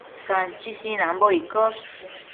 Canchi sinanbo iccosh